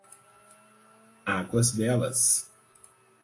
Águas Belas